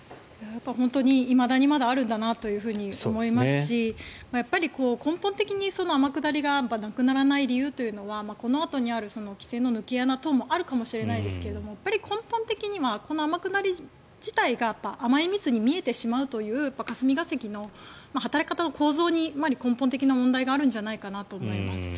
本当に、いまだにまだあるんだなと思いますしやっぱり根本的に天下りがなくならない理由というのはこのあとにある規制の抜け穴等もあるかもしれませんが根本的には、この天下り自体が甘い蜜に見えてしまうという霞が関の働き方の構造に根本的な問題があるんじゃないかなと思います。